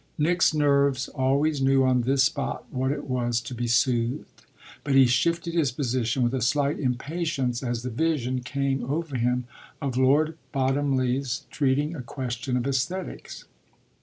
Nick's nerves always knew on this spot what it was to be soothed; but he shifted his position with a slight impatience as the vision came over him of Lord Bottomley's treating a question of esthetics.